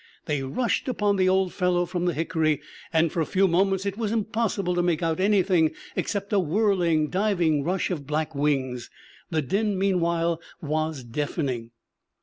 They rushed upon the old fellow from the hickory, and for a few moments it was impossible to make out anything except a whirling, diving rush of black wings. The din meanwhile was deafening.